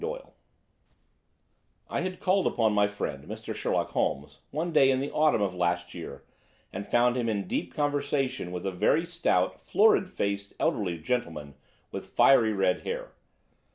II. THE RED HEADED LEAGUE I had called upon my friend, Mr. Sherlock Holmes, one day in the autumn of last year and found him in deep conversation with a very stout, florid faced, elderly gentleman with fiery red hair.